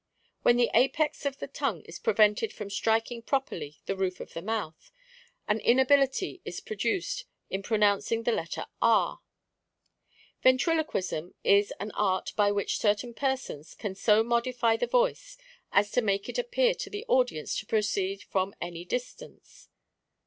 When the apex of the tongue is prevented from striking properly the roof of the mouth, an inability is produced in pronouncing the letter R. "Ventriloquism is an art by which certain persons can so modify the voice as to make it appear to the audience to proceed from any distance.